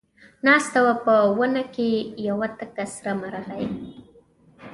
ناسته وه په ونه کې یوه تکه سره مرغۍ